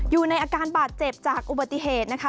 อยู่ในอาการบาดเจ็บจากอุบัติเหตุนะคะ